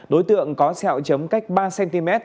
đối tượng có xeo chấm cách ba cm